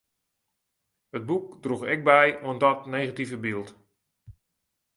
It boek droech ek by oan dat negative byld.